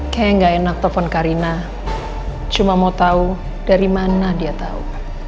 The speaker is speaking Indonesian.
kayaknya enggak enak telfon karina cuma mau tau dari mana dia tau